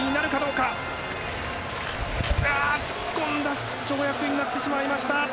突っ込んだ跳躍になってしまいました。